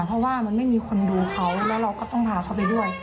เพราะว่ามันไม่มีคนดูเขาแล้วเราก็ต้องพาเขาไปด้วย